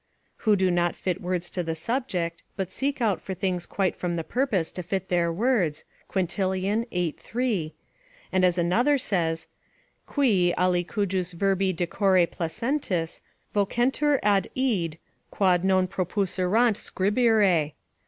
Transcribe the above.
["Who do not fit words to the subject, but seek out for things quite from the purpose to fit the words." Quintilian, viii. 3.] And as another says, "Qui, alicujus verbi decore placentis, vocentur ad id, quod non proposuerant scribere."